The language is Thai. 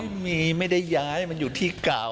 ไม่ได้ย้ายมันอยู่ที่เก่า